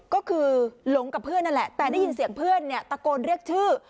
ก็คือหลงกับเพื่อนนั่นแหละแต่ได้ยินเสียงเพื่อนเนี่ยตะโกนเรียกชื่อ